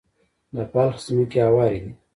د بلخ ځمکې هوارې دي